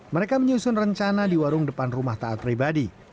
mereka menyusun rencana di warung depan rumah taat pribadi